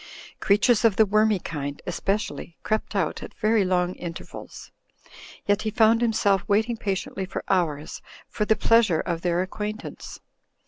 Creatures of the wormy kind, especially, crept out at very long inter vals ; yet he found himself waiting patiently for hours for the pleasure of their acquaintance.